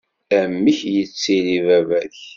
Amek ittili baba-k?